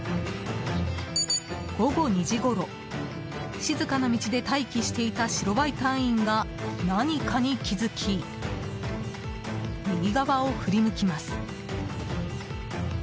午後２時ごろ、静かな道で待機していた白バイ隊員が何かに気づき右側を振り向きます。